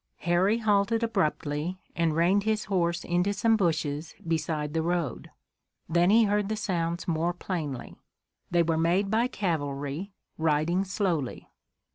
Harry halted abruptly and reined his horse into some bushes beside the road. Then he heard the sounds more plainly. They were made by cavalry, riding slowly.